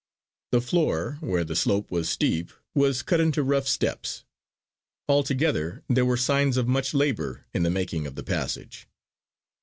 The floor where the slope was steep was cut into rough steps. Altogether, there were signs of much labour in the making of the passage.